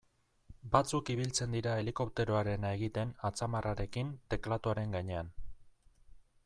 Batzuk ibiltzen dira helikopteroarena egiten atzamarrarekin teklatuaren gainean.